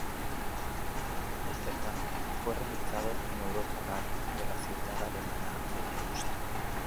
El certamen fue realizado en en Europa-Park de la ciudad alemana de Rust.